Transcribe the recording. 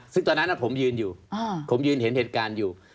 ซึ่งตอนนั้นผมยืนอยู่ผมยืนเห็นเหตุการณ์อยู่